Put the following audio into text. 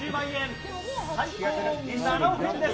最高７億円です。